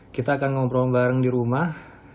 kita akan ngobrol bareng di rumah